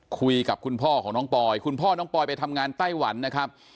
คุยกับคุณพ่อของน้องปอยคุณพ่อน้องปอยไปทำงานไต้หวันนะครับ